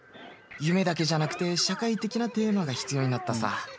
夢だけじゃなくて社会的なテーマが必要になったさ。